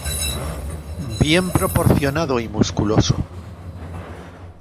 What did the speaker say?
Bien proporcionado y musculoso.